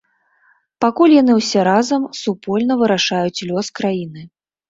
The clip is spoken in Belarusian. Пакуль яны ўсе разам, супольна вырашаюць лёс краіны.